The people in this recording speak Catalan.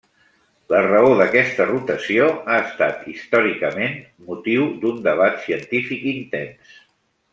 La raó d'aquesta rotació ha estat, històricament, motiu d'un debat científic intens.